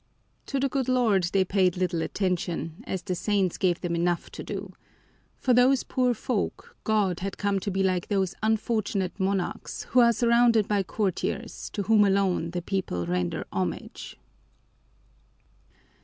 To the good Lord they paid little attention, as the saints gave them enough to do. For those poor folk God had come to be like those unfortunate monarchs who are surrounded by courtiers to whom alone the people render homage.